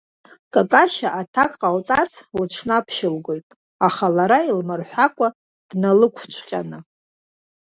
Какашьа аҭак ҟалҵарц лыҽнаԥшьылгоит, аха лара илмырҳәакәа дналықәцәҟьаны.